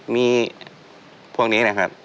มีพวกนี้นะครับ